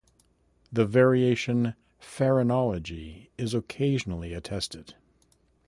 The variation "pharonology" is occasionally attested.